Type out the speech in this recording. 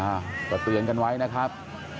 ใครชอบทำที่นี้ทำเอ่นแต่ชอบแหละครับ